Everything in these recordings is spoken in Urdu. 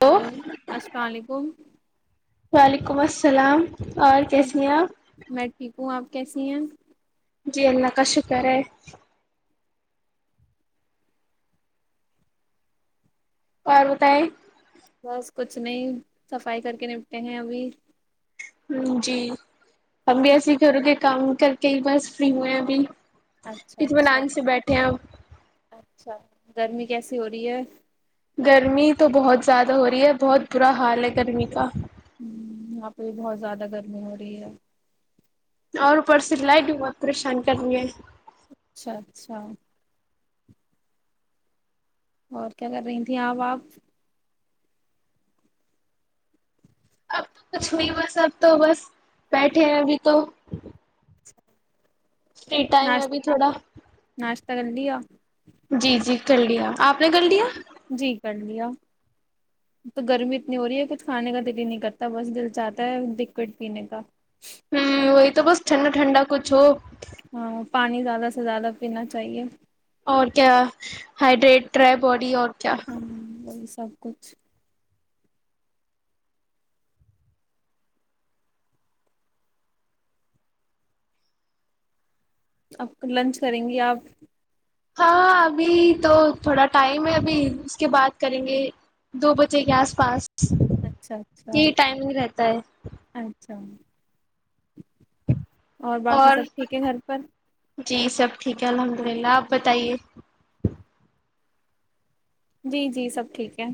ہیلو ہلو السلام علیکم [inaudible] اور کیسی ہیں آپ میں ٹھیک ہوں آپ کیسی ہیں جی اللہ کا شکر ہے اور بتائے بس کچھ نہیں صفائی کر کے نپٹے ہیں ابھی ہ جی ہمب اسی کرو کے کام کر کے ہی بس فری ہویں اب اچھا ات میں اچھا لان سے بیٹھے ہیں آپ اچھا گرمی کیسی ہو رہی ہے گرمی تو بہت زیادہ ہو رہی ہے بہت برا حال ہے گرمی کا ہ یہاں پہ بھی بہت زیادہ گرمی ہو رہی ہے اور اوپر س لائٹ بھی بہت پریشان کر رہی ہے اچھا اچھا اور کیا کر رہی تھیں آپ آپ اب تو کچھ نہیں بس اب تو بس بیٹھے ہیں ابھی تو ہ فری ٹائم ہے ابھی تھوڑا [unintelligible] جی جی کر لیا آپ نے کر لیا جی کر لیا تو گرمی اتنی ہو رہی ہے کچھ کھانے کا دل ہی نہیں کرتا بس دل چاہتا ہے لکوڈ پینے کا ہوں وہی تو بس ٹھنڈا ٹھنڈا کچھ ہو ہاں پانی زیادہ سے زیادہ پینا چاہیے اور کیا ہائڈریٹ رہیں باڈی اور کیا ہاں وہی سب کچھ اپ لنچ کریں گی آپ ہاں ابھی تو تھوڑا ٹائم ہے ابھی اس کے بعد کریں گے دو بجے کے آس پاس اچھا اچھا یہ ٹائم ہی رہتا ہے ہم اور ہے گھر پر جی سب ٹھیک ہے الحمد للہ آپ بتائیے جی جی سب ٹھیک ہے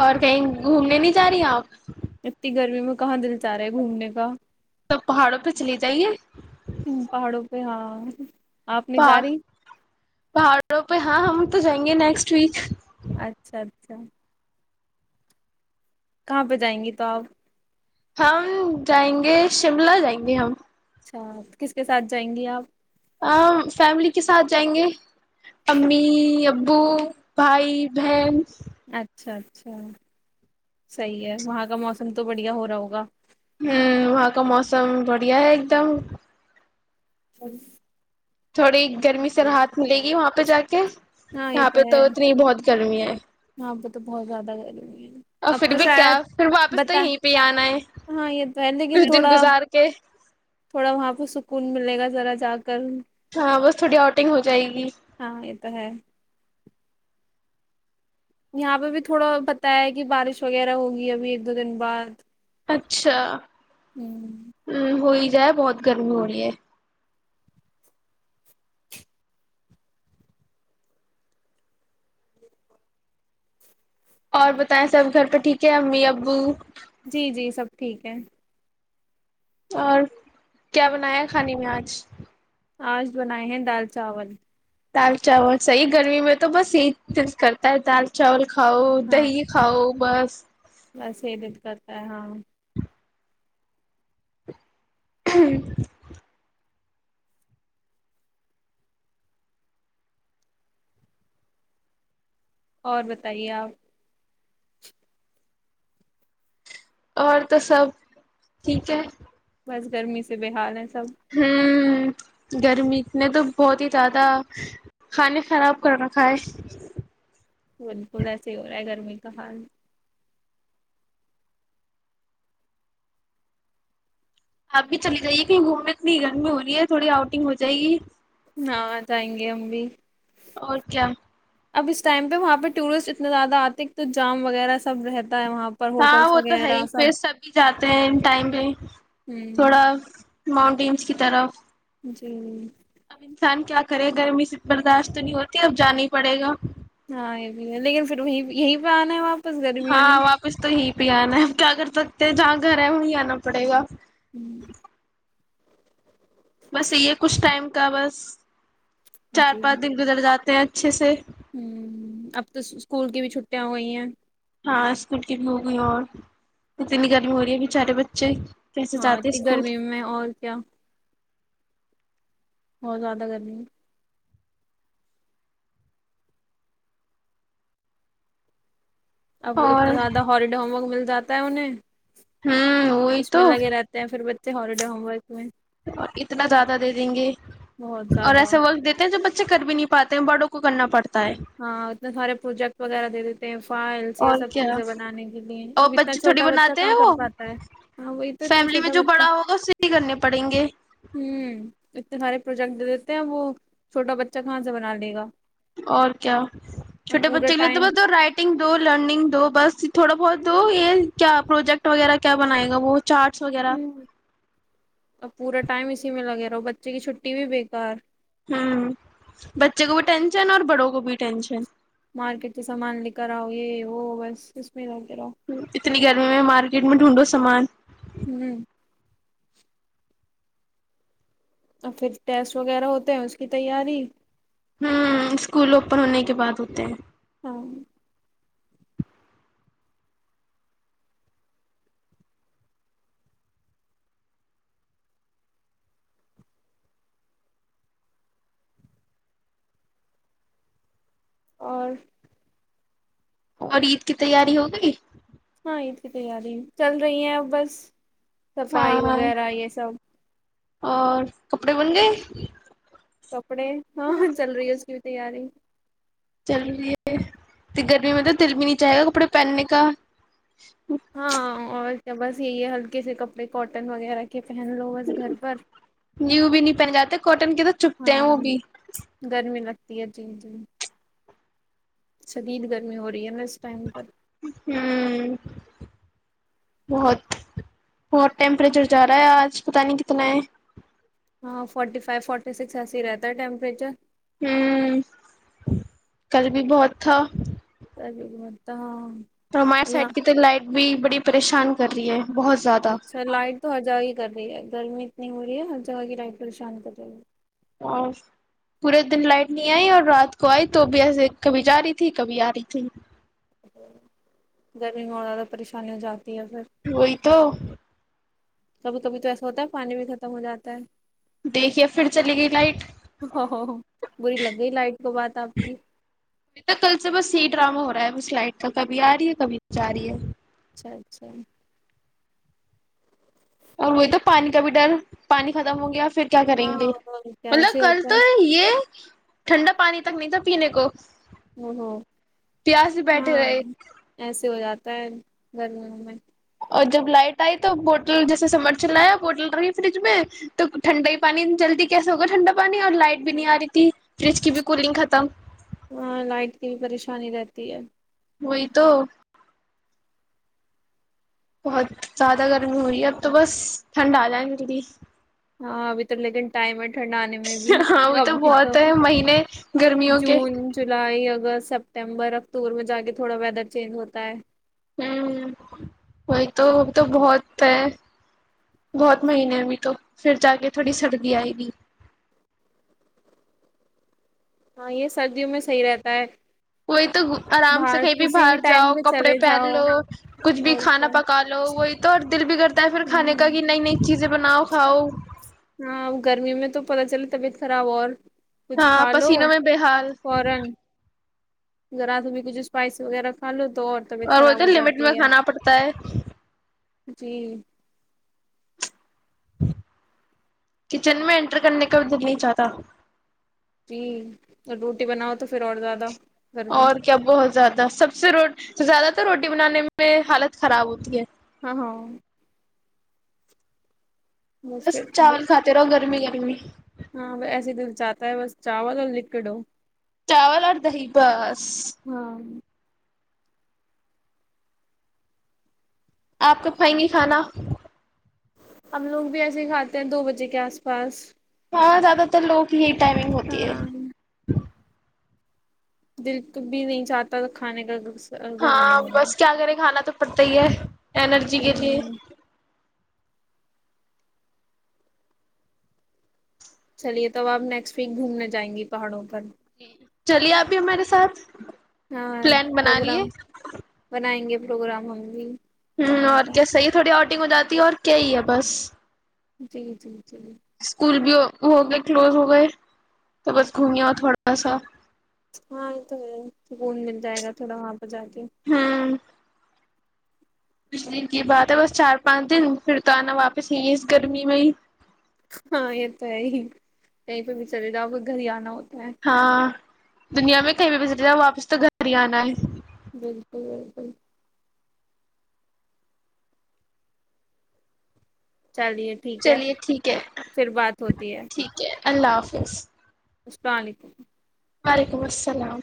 اور کہیں گھومنے نہیں جا رہی آپ اتنی گرمی میں کہاں دل چاہ رہا ہے گھومنے کا تو پہاڑوں پہ چلیے جائیے پہاڑوں پہ ہاں آپ نہیں پا جا رہی پہاڑوں پہ ہاں ہم تو جائیں گے نیکسٹ ویک اچھا اچھا کہاں پہ جائیں گی تو آپ ہم جائیں گے شملہ جائیں گے ہم اچھا کس کے ساتھ جائیں گی آپ فیملی کے ساتھ جائیں گے امی ابو بھائی بہن اچھا اچھا صحیح ہے وہاں کا موسم تو بڑھیا ہو رہا ہوگا ہمم وہاں کا موسم بڑھیا ہے ایک دم ا [inaudible] تھوڑی گرمی سے راحت ملے گی وہاں پہ جا کے ہاں یہ یہاں پہ تو اتنی بہت گرمی ہے ہاں پ تو بہت زیادہ گری ہے اور اب پھر تو بھی کیا شاید پھر واپس تو بتا یہیں پہ ہی آنا ہے ہاں یہ تو ہے لیکن کچھ دن تھوڑا گزار کے تھوڑا وہاں پہ سکون ملے گا ذرا جا کر ہاں بس تھوڑی آؤٹنگ ہو جائے گی ہاں یہ تو ہے یہاں پہ بھی تھوڑا پتایا ہے کہ بارش وغیرہ ہوگی ابھی ایک دو دن بعد اچھا ہوں ہمم ہوئی ج ہے بہت گرمی ہو رہی ہے اور بتائیں سب گھر پہ ٹھیک ہے امی ابو جی جی سب ٹھیک ہے اور کیا بنایا کھانے میں آج آج بنائے ہیں دال چاول دال چاول صحیح گرمی میں تو بس یہی د کرتا ہے دال چاول کھاؤ دہی کھاؤ بس بس یہ دیکت ہے ہاں [unintelligible] اور بتائیے آپ اور تو سب ٹھیک ہے بس گرمی سے بےحال ہے ھم گرمی نے تو بہت ہی زیادہ کھانے خراب کر رکھا ھے بالکل ایسے ہی ہو رہا ہے گرمی کا حال اب بھی چلی جائیے کی گھوم میں اتنی گرمی ہو رہی ہے تھوڑی آؤٹنگ ہو جائے گی ھا جآئیں گے ہم بھی اور کیا اب اس ٹائم پہ وہاں پہ ٹورسٹ اتنے زیادہ آتے تو جام وغیرہ سب رہتے ہاں وہ تو ہے ہی پھر سبھی جاتے ہیں ان ٹائم پہ ہوں تھوڑا ماؤنٹینس کی طرف جی اب انسان کیا کرے گرمی سے برداشت نہیں ہوتی اب جانا ہی پڑے گا ہاں یہ بھی ہے لیکن پھر وہیں یہیں پہ آنا ہے واپس گرمی میں بھی انا ہے کیا کر سکتے ہیں جہاں گھر ہے وہیں آنا پڑے گا [inaudible] بس یہ ھے کچھ ٹائم کا بس چار جی پانچ دن گزر جاتے ھے اچھے سے اب تو اسکول کی بھی چھٹیاں ہو گئی ہیں ہاں اسکول کی بی ھو گی ھے اور اتنی گرمی ہو رہی ہے بیچارے بچے کیسے ہاں ا جاتے تھنی اسکول گرمی میں اور کیا اور زیادہ گر می ے اب اور اتنا زیادہ ہوموارک مل جاتا [unintelligible] ہوں وہی اس میں تو لگے رہتے ہیں پھر بچے ہاللیڈ ے ھموارک اور اتنا زیادہ دے دیں گے بہت اور زیادہ ایسے وقت دیتے ہیں جسے کر بھی نہیں پاتے ہیں بڑوں کو کرنا پڑتا ہے ہاں اتنے سارے پروجیکٹ وغیرہ دے دیتے ہیں یہ اور سب کیا چیزیں بنانے کے لیے اور اب اتنا بچے تھوڑی چھوٹا بچہ بناتے کہاں ہیں کر وہ پاتا ہے ہ وہی تو اتنا فیملی میں چھوٹا جو بچہ بڑا ہوگا اسے ہی کرنے پڑیں گے ہ اتنے سارے جن دے دیتے ہیں وہ چھوٹا بچہ کہاں سے بنا لے گا اور کیا اور چھٹے پورا بچے کے لیے تو ٹائم ب رائٹنگ دو لرننگ دو بس تھوڑا بہت وہ یہ کیا پروجیکٹ وغیرہ کیا بنائے گا وہ چارٹس وغیرہ ا پورا ٹائم اسی میں لگے رہا بچے کی چھٹی بھی بےیکار ہوں بچے کو بھی ٹینشن اور بڑوں کو بھی ٹینشن مارکیٹ سے سامان لے کر آؤ یہ وہ بس اس میں رہ اتنی گرمی میں مارکیٹ میں ڈھونڈو سامان ہوں اور پھر ٹیسٹ وغیرہ ہوتے ہیں اس کی تیاری ہوں اسکول اوپن ہونے کے بعد ہوتے ہیں ہاں [inaudible] اور اور عید کی تیاری ہوگئی ہاں عید کی تیاری ہی چل رہی ہیں اب بس صفائی ہاں وغیرہ یہ سب اور کپڑے بن گئے سب کپڑے ہاں چل رہی ہے اس کی بھی تیاری چلوری ہے گرمی میں مل دل بھی نہیں چاہے گا کپڑے پہننے کا ہاں اور کیا بس یہی ہے ہلکے سے کپڑے کاٹن وغیرہ کے پہن لو بس گھر پر پن جاتے کو ٹن کے تو چپتے ہیں وہ بھی جی جی جی شدید گرمی ہو رہی ہے بس ہوں بہت بہت ٹیمپریچر جا رہا ہے آج پت نہیں کتنا ہے ہاں فورٹی فائیو فورٹی سکس ایسی رہتا ہے ٹیمپریچر ہوں کل بھی بہت تھا رجے بتا ہاں توما یہاں سائڈ کی لائٹ بھی بڑی پریشان کر رہی ہے بہت زیادہ اچھا لائٹ تو آ جاائی کر رہی ہے گرمی اتنی ہو رہی ہے ہ جگہ گائی پریشان کر رہی ہے اور پورے دن لائٹ نہیں آئی اور رات کو آئی تو بھیسے کبھی جاہی تھی کبھی آ رہی تھی گرمی ہونے والا پریشانیوںں جاگ وہی تو کبھی کبھی تو ایسا ہوتا ہے پانی بھی ختم ہو جاتا ہے دیکھیے پھر چلی گئی لائٹ بری لگ گئی لائٹ کو بات آپ کی کل سے بس سی ڈرامہ ہو رہا ہے سلائٹ کا کبھی آ رہی ہے کبھی جا رہی ہے اچھا اچھا اور وہی تو پانی کا بھی ڈر پانی ختم ہو گیا پھر کیا کریں ہاں گے اور کیا مطلب ایسے ہی کل ہوتا تو ہے یہ ٹھنڈا پانی تک نہیں تھا پینے کو ہمم پیاس سے ہمم بیٹھے ہاں رہے ایسے ہو جاتا ہے [unintelligible] اور جب لائٹ آئی تو بوٹل جیسے سمر چلایا بوٹل رہی فریج میں تو ٹھنڈا ہی پانی جلدی کیسے ہوگا ٹھنڈا پانی اور لائٹ بھی نہیں آ رہی تھی فریج کی بھی کولنگ ختم ہاں لائٹ کی بھی پریشانی رہتی ہے وہی تو [inaudible] بہت زیادہ گرمی ہو رہی ہے اب تو بس ٹھنڈ آ جائیں گ مری ہاں ابھی تو لیکن ٹائم ہے ٹھنڈ آے میں بھی ہاں وہ ابھی تو بہت ہے مہینے گرمیوں کے جون جولائی اگست سپٹمبر اکتوبر میں جا کے تھوڑا ویدر چینج ہوتا ہے ہمم وہی تو ا تو بہت ہے بہت مہینے بھی تو پھر جا کے تھوڑی سردی آئے گی ہاں یہ سردیوں میں صحیح رہتا ہے وہی تو آرام سے باہر کہیں بھی کسی باہر ٹائم جاؤ پہ کپڑے چلے پہن جاؤ لو کچھ بھی اور کھانا کیا پکا لو وہی تو اور دل بھی کرتا ہے پھر کھانے کا ہوں کہ نئی نئی چیزیں بناؤ کاؤ ہاں گرمی میں تو پتہ چلے طبیعت خراب اور کچھ ہاں کھا لو پسینوں میں بےحال گ رات بھی کچھ اسپائس وغیرہ کا لو تو طبیعت اور وہ خراب تو ہو لمٹ میں جاتی ہے کھانا پڑتا ہے جی کچن میں انٹر کرنے کا دل نہیں چاہتا جی اور روٹی بناؤ تو پھر اور زیادہ گرمی اور کیا بہت زیادہ سب سے روڈ زیادہ تر روٹی بنانے میں حالت خراب ہوتی ہے ہاں ہاں بس چاول کاتے رہو گھر گرمی گرمی ہاں ایسے دل چاہتا ہے بس چاول اور لکوڈو چٹاول اور دہی بس ہاں آپ کب کھائیں گی کھانا ہم لوگ بھی ایسے ہی کھاتے ہیں دو بجے کے آس پاس اور زیادہ تر لگ ہی ٹائمنگ ہوتی ہے ہاں دل بھی نہیں چاہتا تھا کھانے کا ہاں گرمیوں بس میں کیا کریں کھانا تو پتی ہے انرجی کے تھے ہ چلیے توب آپ نیکسٹ ویک گھومنے جائیں گی پہاڑوں پر جی چلیے آپھی ہمارے ساتھ ہاں پلان بنا لیے پروگرام بنائیں گے پروگرام ہوں گی ہوں اور کیا صحی ہے تھوڑی آ ٹگ ہو جاتی ہے اور کیا ہی ہے بس جی جی جی اسکول بھی ہو گئے کلوز ہو گئے تو بس ہاں گھمی ہو تھوڑا سسو ہاں یہ تو سکون مل جائے گا تھوڑا وہاں پرہ جا کے ہوں کچھ دن کی بات ہے بس چار پانچ دن پھر تو آنا واپس ہی ہے اس گرمی میں ہی ہاں یہ تو ہے ہی یہیں پہ بھی چلے رہا ا گھر ہی آنا ہوتا ہے ہاں دنیا میں کہیں بھی پس جاؤ واپس تو گھر ہی آنا ہے بالکل بالکل چلیے ٹھیک ہے چلیے ٹھیک ہے پھر بات ہوتی ہے ٹھیک ہے اللہ حافظ السلام علیکم وعلیکم السلام